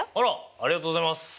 ありがとうございます。